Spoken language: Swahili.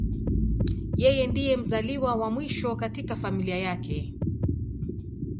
Yeye ndiye mzaliwa wa mwisho katika familia yake.